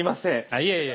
いえいえ。